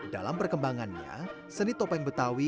dalam perkembangannya seni topeng betawi